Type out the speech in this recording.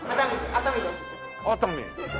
熱海。